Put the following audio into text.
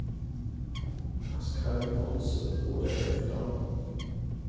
Pascal Kunze wurde Elfter.